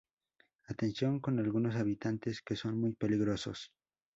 Atención con algunos habitantes que son muy peligrosos